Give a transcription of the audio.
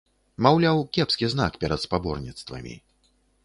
Маўляў, кепскі знак перад спаборніцтвамі.